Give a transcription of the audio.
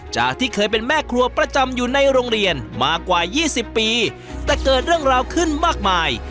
จากที่เคยเป็นแม่ครัวประจำอยู่ในโรงเรียนมากว่า๒๐ปีแต่เกิดเรื่องราวขึ้นมากมาย